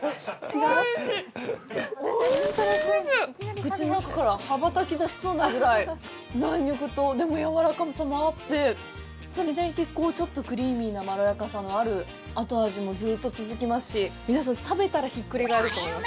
口の中から羽ばたき出しそうなぐらい、弾力と、でも、やわらかさもあって、それでいてちょっとクリーミーなまろやかさのある、後味もずっと続きますし、皆さん、食べたらひっくり返ると思います。